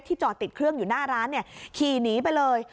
จอดติดเครื่องอยู่หน้าร้านขี่หนีไปเลย